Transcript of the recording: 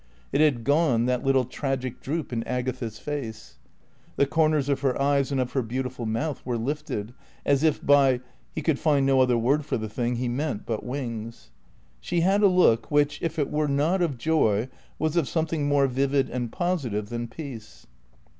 It had gone, that little tragic droop in Agatha's face. The corners of her eyes and of her beautiful mouth were lifted; as if by he could find no other word for the thing he meant but wings. She had a look which, if it were not of joy, was of something more vivid and positive than peace.